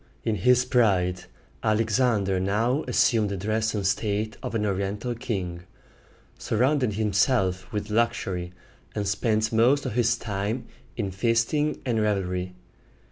In his pride, Alexander now assumed the dress and state of an Oriental king, surrounded himself with luxury, and spent most of his time in feasting and revelry.